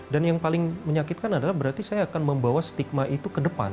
dan yang paling menyakitkan adalah berarti saya akan membawa stigma itu ke depan